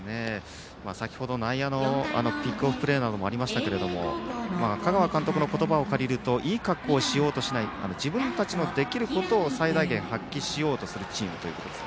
先程、内野のピックオフプレーなどもあって香川監督の言葉を借りるといい格好をしようとしない自分たちのできることを最大限発揮しようというチームだということです。